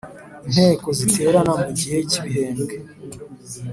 Inteko ziterana mu gihe cy’ibihembwe